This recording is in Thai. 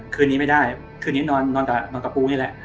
คืนนี้ไม่ได้คืนนี้นอนกับปูนี่แหละ